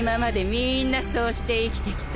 みんなそうして生きてきた。